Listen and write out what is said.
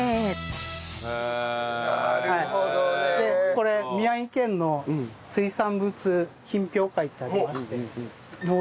これ宮城県の水産物品評会ってありまして。